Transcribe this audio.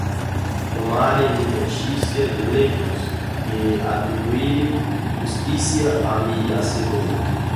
Tomaré mi noticia de lejos, Y atribuiré justicia á mi Hacedor.